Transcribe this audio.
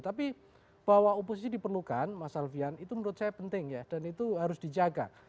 tapi bahwa oposisi diperlukan mas alfian itu menurut saya penting ya dan itu harus dijaga